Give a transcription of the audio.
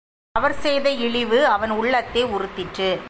அவர் செய்த இழிவு, அவன் உள்ளத்தை உறுத்திற்று.